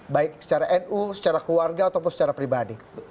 baik secara nu secara keluarga ataupun secara pribadi